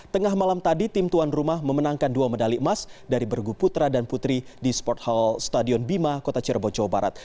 tengah malam tadi tim tuan rumah memenangkan dua medali emas dari bergu putra dan putri di sport hall stadion bima kota cirebon jawa barat